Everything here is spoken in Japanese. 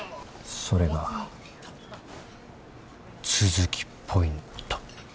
それが都築ポイント。